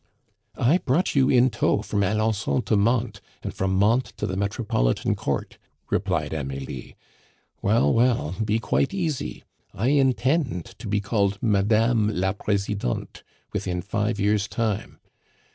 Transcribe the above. "I brought you in tow from Alencon to Mantes, and from Mantes to the Metropolitan Court," replied Amelie. "Well, well, be quite easy! I intend to be called Madame la Presidente within five years' time.